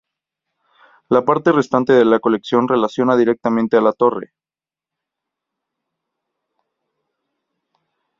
La parte restante de la colección relaciona directamente a la Torre.